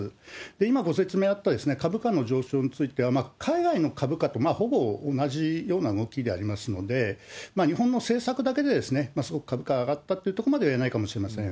今ご説明あった株価の上昇については、海外の株価とほぼ同じような動きでありますので、日本の政策だけですごく株価が上がったというところまでは言えないかもしれません。